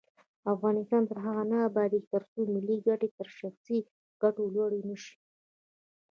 افغانستان تر هغو نه ابادیږي، ترڅو ملي ګټې تر شخصي ګټو لوړې نشي.